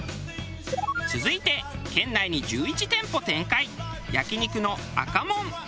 続いて県内に１１店舗展開焼き肉の赤門。